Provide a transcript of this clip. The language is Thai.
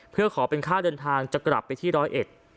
เพื่อขอเป็นค่าเดินทางจะกลับไปที่ร้อยเอ็ด